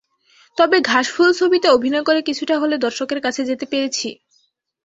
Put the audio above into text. তবে ঘাসফুল ছবিতে অভিনয় করে কিছুটা হলেও দর্শকের কাছে যেতে পেরেছি।